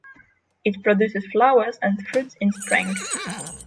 It produces flowers and fruits in spring.